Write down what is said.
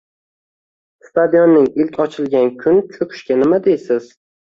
Stadionning ilk ochilgan kun cho'kishiga nima deysiz?